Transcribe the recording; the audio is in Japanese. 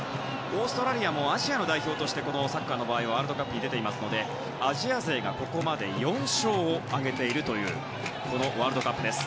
オーストラリアもアジア代表としてサッカーの場合はワールドカップに出ているのでアジア勢がここまで４勝挙げているこのワールドカップです。